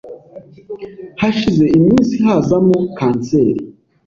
hashize iminsi hazamo kanseri